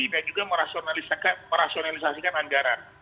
dan juga merasionalisasikan anggaran